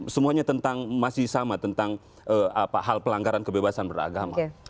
semuanya tentang masih sama tentang hal pelanggaran kebebasan beragama